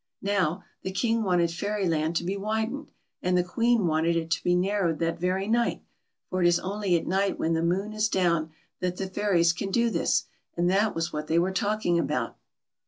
Now, the Kin<; wanted Fairyland to be widened, and the Queen wanted it to be narrowed that very night, for it is only at night when the moon is down that the fairies can do this, and that was what they were talking about.